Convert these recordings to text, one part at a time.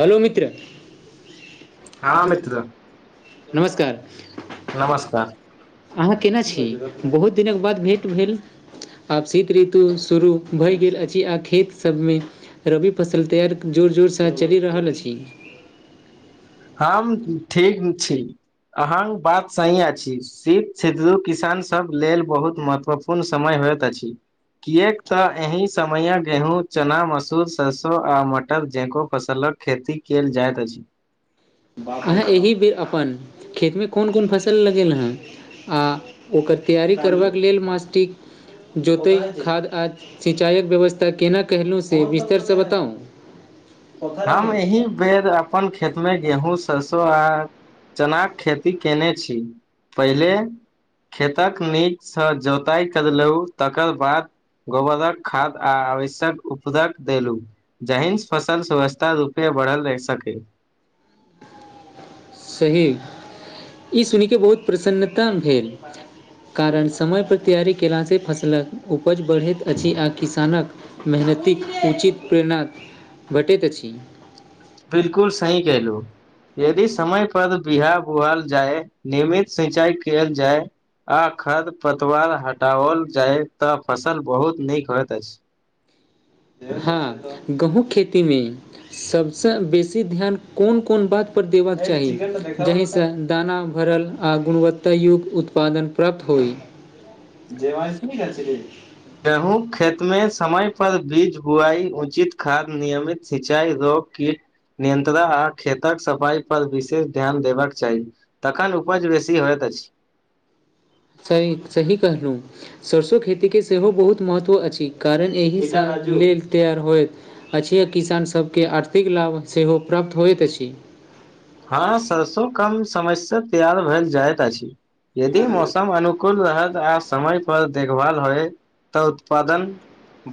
Hello मित्र हँ मित्र नमस्कार नमस्कार अहाँ केने छी बहुत दिनके बाद भेँट भेल आब शीत ऋतु शुरू भए गेल अछि आ खेत सभमे रबि फसल तैयारी जोर जोरसँ चलि रहल अछि। हम ठीक छी अहाँ बात सही अछि। शीत ऋतु किसानसभ लेल बहुत महत्वपूर्ण समय होइत अछि। किएक तऽ एहि समये गेहूँ, चना, मसूर, सरसों आ मटर जैको फसलक खेती कईल जाइत अछि। अहाँ एहि बेर अपन खेतमे कोन कोन फसल लगेल हेँ। आ ओकर तैयारी करबाक लेल मास सटिक जोतै खाद आ सिंचाइक व्यवस्था केना केलहुँ से विस्तरसँ बताउ। हम यही बेर अपन खेत में गेहूँ सरसो आ चनाके खेती केने छी पहिले खेतक नीकसँ जोताइ करलहुँ तकर बाद गोबरक खाद आ आवश्यक उपदक देलु जहिं फसल स्वस्थ् रूपआ बढ़ल रहि सकै। सही ई सुन के बहुत प्रसन्नता भेल। कारण समयपर तैयारी केलासँ फसलक उपज बढ़ैत अछि आ किसानक। मेहनतिक उचित प्रेरणा भेटैत अछि। बिल्कुल सही कहलूं। यदि समय पर बिआ बुहल जाय नियमित सिंचाई कयल जाय आ खड़ पतवार हटाओल जाय तऽ फसल बहुत नीक होइत अछि। हँ गेहूँम खेती मे सबसँ बेसी ध्यान कोन-कोन बात पर देबाक चाही जाहिसँ दाना भरल आ गुणवत्तायुग उत्पादन प्राप्त होइ। गेहूँक खेतमे समय पर बीज बुआई उचित खाद नियमित सिंचाइ रोप की नियन्त्रण आ खेतक सफाइ पर विशेष ध्यान देबाक चाही। तखन उपज बेसी होइत अछि। सही सही कहलू। सरसो खेती के सेहो बहुत महत्व अछि कारण एहि सऽ तेल तैयार होयत। अछि आ किसान सभ केँ आर्थिक लाभ सेहो प्राप्त होइत अछि। हँ सरसों कम समय से तैयार भेल जाइत अछि यदि मौसम अनु -कुल रहत आ समय पर देखभाल होयत तऽ उत्पादन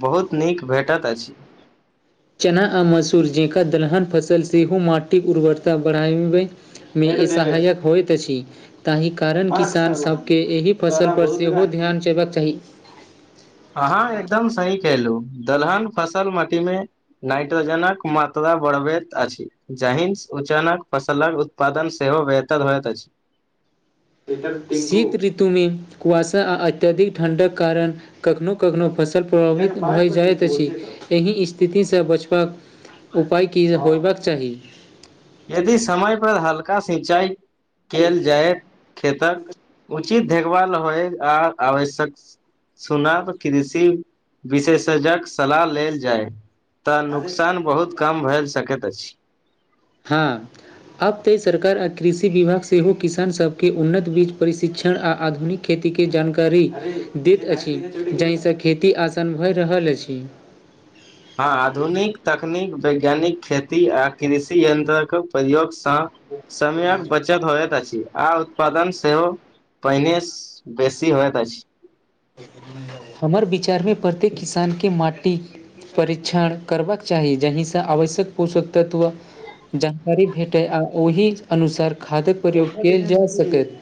बहुत नीक भेटैत अछि। चना आ मसूर जेंका दलहन फसल सेहो माटिक उर्वरता बढ़ाबैक में ई सहायक होइत अछि। ताहि कारण किसान सभ केँ एहि फसल पर सेहो ध्यान देबाक चाही। अहाँ एकदम सही केहलु दलहन फसल माटी मे नाईट्रोजनक मात्रा बढ़बैत अछि। जहिंस उचानक फसलक उत्पादन सेहो बेहतर होइत अछि शीत ऋतु में कुवासा आ अत्यधिक ठण्डक कारण कखनो कखनो फसल प्रभावित भए जाइत अछि एहि स्थितिसँ बचबाक - उपाय की हे होयबाक चाही। यदि समय पर हल्का सिंचाई कयल जायत खेतक उचित देखभाल होइ आ आवश्यक सुनाब कृषि विशेषजक सलाह लेल जाय तऽ नुकसान बहुत कम भेल सकैत अछि। हँ आब तऽ सरकार आ कृषि विभाग सेहो किसान सभ केँ उन्नत बीज प्रशिक्षण आ आधुनिक खेती केँ जानकारी दैत अछि जाहिसँ खेती आसान भए रहल अछि। हाँ आधुनिक तकनीक वैज्ञानिक खेती आ कृषि यन्त्रक प्रयोगसँ समयक बचत होयत अछि आ उत्पादन सेहो पहिने बेसी होइत अछि। [inaudible] हमर विचार में प्रत्येक किसान केँ माटि परीक्षण करबाक चाही जहिसँ आवश्यक पोषक तत्व जानकारी भेट टै आ ओहि अनुसार खादक प्रयोग केल जा सकैत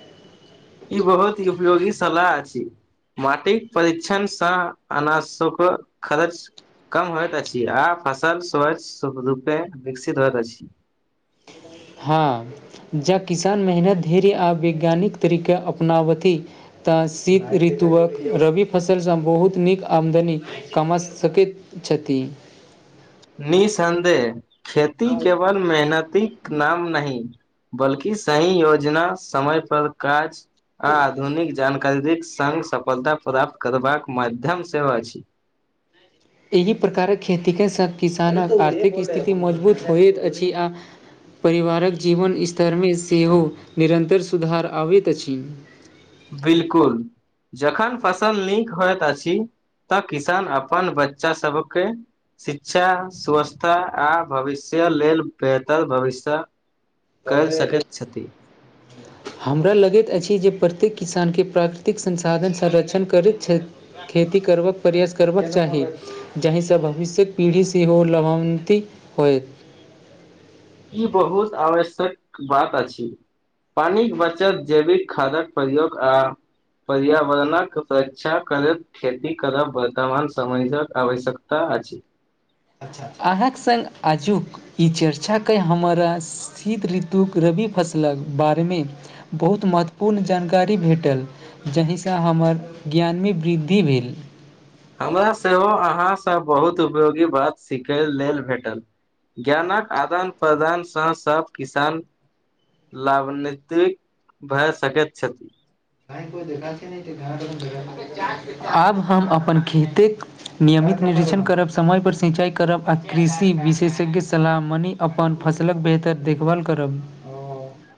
ई बहुत ही उपयोगी सलाह अछि। माटिक परीक्षणसँ अनाजशोक खर्च कम होइत अछि आ फसल स्वच्छ रूपे विकसित होइत अछि। हाँ ज किसान मेहनत धेरी आ वैज्ञानिक तरीका अपनावथि तऽ शीत ऋतुक रबी फसल स बहुत नीक आमदनी कमास सकेत छति [inaudible] निःसन्देह खेती केवल मेहनतिक नाम नहीं बल्कि सही योजना समय पर काज आ आधुनिक जानकारे संग सफलता प्राप्त करबाक माध्यम सेहो अछि। एहि प्रकारक खेतीके सँ किसानक आर्थिक स्थिति मजबूत होइत अछि आ परिवारक जीवन स्तरमे सेहो निरन्तर सुधार आबैत अछि। बिल्कुल जखन फसल नीक होइत अछि तऽ किसान अपन बच्चा सबकेँ शिक्षा स्वस्थता आ भविष्य लेल बेहतर भविष्य कयल सके छथि। हमरा लगैत अछि जे प्रत्येक किसान केँ प्राकृतिक संसाधन संरक्षण करैत छैय खेती करबाक प्रयास करबाक चाही जाहिसँ भविष्यकेँ पीढ़ी सेहो लाभान्वित होय। ई बहुत आवश्यक बात अछि। पानिक बचत जैविक खादक प्रयोग आ पर्यावरणक रक्षा करैत खेती करब वर्तमान समय यक आवश्यकता अछि। अहाँक सङ्ग आजूक ई चर्चाेय कऽ हमरा शीत ऋतुक रबि फसलक बारेमे बहुत महत्वपूर्ण जानकारी भेटल। जाहिसँ हमर ज्ञान भी वृद्धि भेल। हमरा सेहो अहाँसँ बहुत उपयोगी बात सिखय लेल भेटल। ज्ञानक आदान प्रदानसँ सब किसान लाभान्वितित भए सकैत छथि। आब हम अपन खेतेक नियमित निरीक्षण करब समय पर सिंचाई करब आ कृषि विशेषज्ञ सलाहमनी अपन फसलक बेहतर देखभाल करब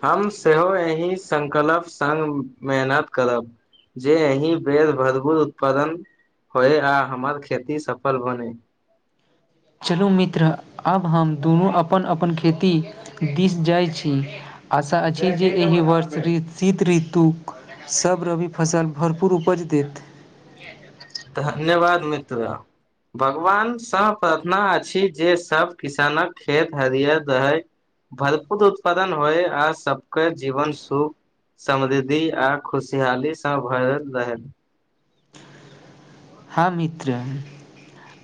हम सेहो एहि सङ्कल्प सङ्ग मेहनत करब। जे एहिी बेर भरपूर उत्पादन होय आ हमर खेती सफल बने चलू मित्र आब हम दुनू अपन अपन खेती दिस जाइ छीय। आशा अछि जे एहि वर्ष शीत ऋतु सभ रवि फसल भरपूर उपज देत धन्यवाद मित्र भगवानसँ प्रार्थना अछि जे सब किसानक खेत हरियर रहय भरपूत उत्पादन होय आ सबके जीवन सुख समृद्धि आ खुशहालीसँ भरल रहनि हँ मित्र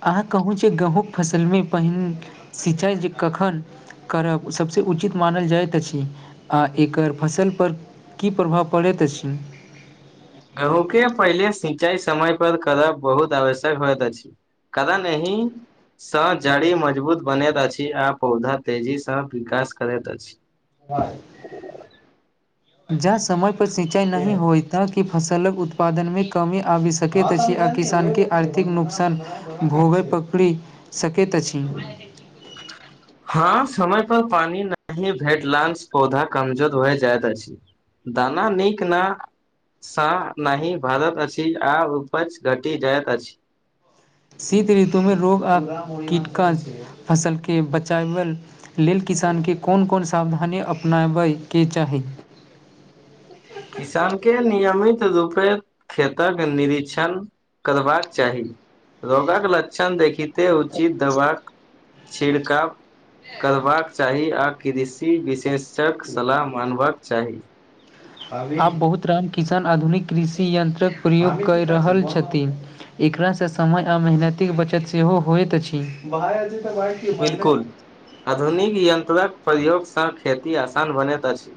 अहाँ कहू जे गहूँक फसलमे पहिन सिंचाइ जे कखन करब सभसँ उचित मानल जाइत अछि आ एकर फसलपर की प्रभाव पड़ैत अछि गेहूँ के पहिले सिंचाई समय पर करब बहुत आवश्यक होइत अछि कारण आहि सँ जड़ी मजबूत बनैत अछि आ पौधा तेजीसँ विकास करैत अछि [unintelligible] जहाँ समय पर सिंचाई नहि होइ ता कि फसलक उत्पादन मे कमी आबि सक सक त छी आ किसानके आर्थिक नुकसान भोगे पकड़ी सकैत अछि हँ समय पर पानी नहि भेट लऽ पौधा कमजोर भए जायइत अछि दाना नीक नऽ सा नहि भारत अछि आ उपज घटि जाइत अछि शीत ऋतुमे रोग आ कीटकाश फसलके बचाबल लेल किसानकेँ कोन कोन सावधानी अपनाबयके चाही किसान के नियमित रूपे खेतक निकर्षण करबाक चाही रोगक लक्षण देखिते उचित दबाक छिड़काव करबाक चाही आ कृषि विशेष कऽ सलाह मानबाक चाही आब बहुत राम किसान आधुनिक कृषि यन्त्रक प्रयोग कर रहल छथिन एकरासँ समय आ मेहनतिक बचत सेहो होइत अछि बिलकुल आधुनिक यन्त्रक प्रयोगसँ खेती आसान बनैत अछि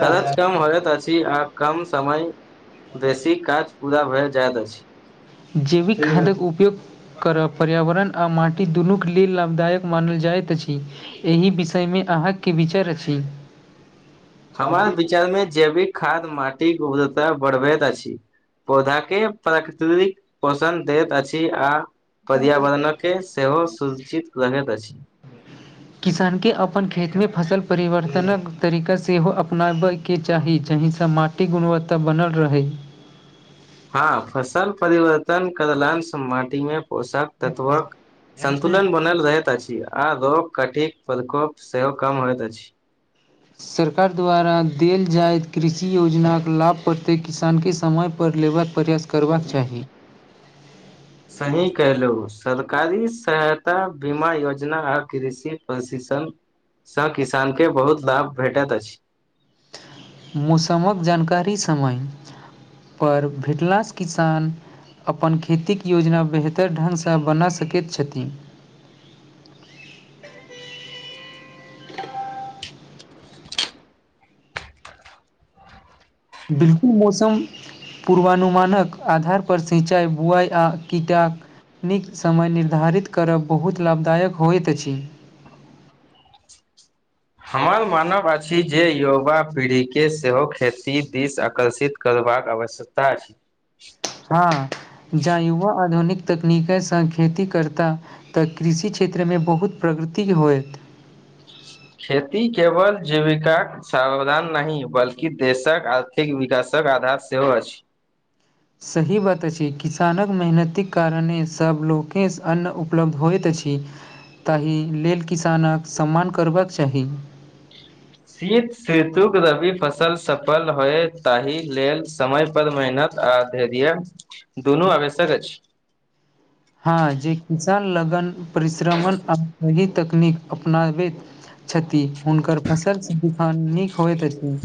खर्च कम होयइत अछि आ कम समय [inaudible] बेसी काज पूरा भैऽ जायइत अछि जैविक खादक उपयोग करब पर्यावरण आ माटी दुनू केँ लेल लाभदायक मानल जाइत अछि एहि विषय में अहाँ की विचार अछि हमर विचार में जैविक खाद्य माटिक उबजता बढ़बैत अछि पौधा केँ प्राकृतिक पोषण दैत अछि आ पर्यावरणकेँ सेहो सूचित रहैत अछि किसानकेँ अपन खेतमे फसल परिवर्तनक तरीका सेहो अपनाबै केँ चाही जाहिसँ माट टी गुणवत्ता बनल रहै हँ फसल परिवर्तन करलाइन स माटी में पोषक तत्वक [inaudible] सन्तुलन ब बनल रहैत अछि आ रोग कठिक प्रकोप सेहो कम होइत अछि सरकार द्वारा देल जाइत कृषि योजनाक लाभ प्रतेक किसान केँ समय पर लेबाक प्रयास करबाक चाही सही कहलो सरकारी सहायता बीमा योजना आ कृषि प्रशिक्षण सँ किसान केँ बहुत लाभ भेटैत अछि मौसम कऽ जानकारी समय पर भेटलासँ किसान अपन खेती कऽ योजना बेहतर ढंग बना सकैत छथिन बिल्कुल मौसम पूर्वानुमान कऽ आधार पर सिंचाई बुआई आ कीटा नीक समय निर्धारित करब बहुत लाभदायक होइत अछि हमर मानव अछि जे युवा पीढ़ी केँ सेहो खेती दिस आकर्षित करबाक आवश्यकता अछि हँ जँ युवा आधुनिक तकनिके सँ खेती करता तऽ कृषि क्षेत्र मे बहुत प्रगति होयत खेती केवल जीविका सावधान नहीं बल्कि देशक आर्थिक विकासक आधार सेहो अछि सही बात अछि किसान कऽ मेहनतिक कारणे सब लोके स अन्न उपलब्ध होइत अछि ताहि लेल किसानक सम्मान करबाक चाही शीत सेतुक रबी फसल सफल होइत ताहि लेल समय पर मेहनत आ धैर्य दुनू आवश्यक अछि हँ जे किसान लगन परिश्रमण आ सही तकनीक अपनाबैत छति हुनकर फसल स धान नीक होइत अछि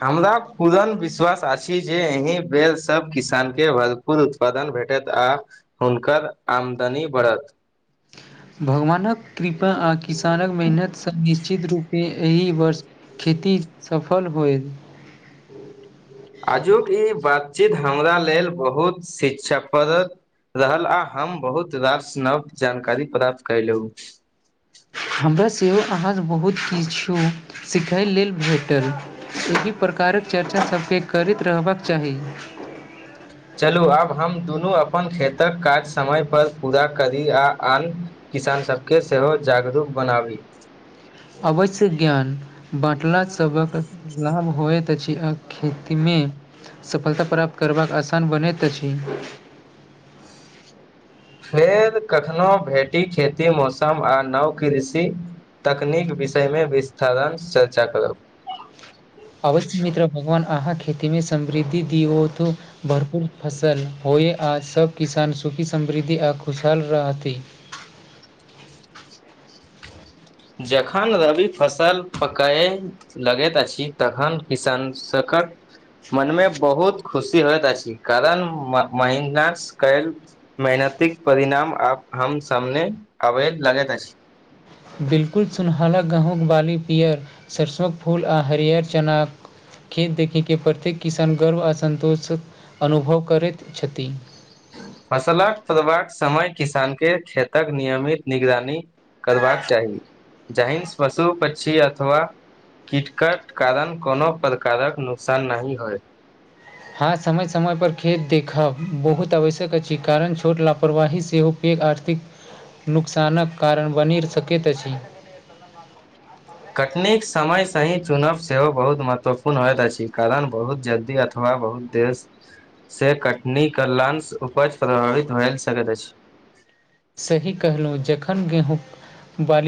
हमरा पूरण विश्वास अछि जे अहि बेर सब किसान केँ भर कुल उत्पादन भेटत आ हुनकर आमदनी बड़हत भगवानक कृपा आ किसानक मेहनत सँ निश्चित रूप पे एहि वर्ष खेती सफल होइत आजुक ई बातचीत हमरा लेल बहुत शिक्षा पद रहल आ हम बहुत रास नव जानकारी प्राप्त कयलउ हमरा सेहो अहाँ स बहुत किछु सिखय लेल भेटल एहि प्रकारक चर्चा सभ केँ करैत रहबाक चाही चलू आब हम दुनू अपन खेतक काज समय पर पूरा करी आ अन किसान सभ केँ सेहो जागरूक बनाबी अवश्य ज्ञान बाँटला सभक लाभ होइत अछि आ खेती मे सफलता प्राप्त करबाक आसान बनैत अछि फेर कखनो भेटी खेती मौसम आ नव कृषि तकनीक विषय मे विस्तारण चर्चा करब अवश्य मित्र भगवान अहाँ खेती मे समृद्धि दी हो तो भरपूर फसल होय आ सब किसान सुखी समृद्धि आ खुशहाल रहथि जखन रवि फसल फकय लगति अछि तखन किसान सकक मन मे बहुत खुशी होइत अछि कारण म महिनास कलि मेहनतिक परिणाम आब हम सामने अबति लगति अछि बिलकुल सुनहला गहूँक बाली पियर सरिसोंक फूल आ हरियर चनाक खेत देखि के प्रत्येक किसान गर्व आ सन्तोष अनुभव करति छथि फसलक तोड़बाक समय किसान के खेतक नियमित निगरानी करबाक चाही जाहिंस पशु पक्षी अथवा किटकटि कारण कोनो प्रकारक नोकसान नहि होइत हँ समय समय पर खेत देखब बहुत आवश्यक अछि कारण छोट लापरवाही सेहो एक आर्थिक नुकसानक कारण बनि सकति अछि कटनीक समय सही चुनब सेहो बहुत महत्वपूर्ण होइत अछि कारण बहुत जल्दी अथ वा बहुत देस से कटनी करलांस उपज प्रभावित भय सकति अछि सही कहलौं जखन गेहूँक बाली